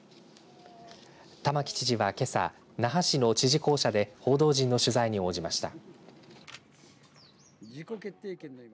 玉城知事はけさ那覇市の知事公舎で報道陣の取材に応じました。